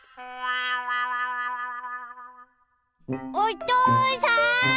おとうさん！